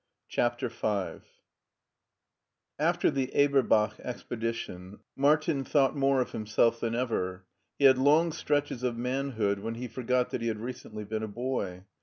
CHAPTER V AFTER the Eberbach expedition Martin thought more of himself than ever. He had long stretches of manhood when he forgot that he had recently been a boy.